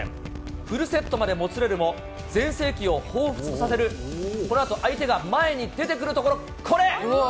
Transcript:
フルセットまでもつれるも、全盛期をほうふつとさせる、このあと相手が前に出てくるところ、これ！